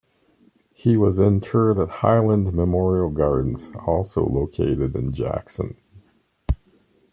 He was interred at Highland Memorial Gardens, also located in Jackson.